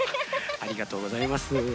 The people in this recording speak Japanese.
ありがとうございます。